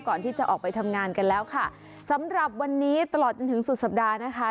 ก่อนที่จะออกไปทำงานกันแล้วค่ะสำหรับวันนี้ตลอดจนถึงสุดสัปดาห์นะคะ